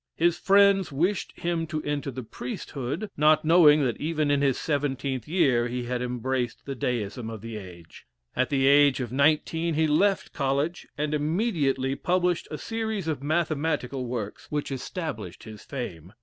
His friends wished him to enter the priesthood, not knowing that even in his seventeenth year he had embraced the Deism of the age. At the age of nineteen he left college, and immediate ly published a series of mathematical works, which established his fame.